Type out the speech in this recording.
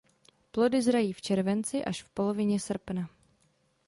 Plody zrají v červenci až v polovině srpna.